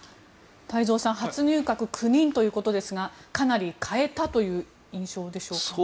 太蔵さん初入閣９人ということですがかなり代えたという印象でしょうか。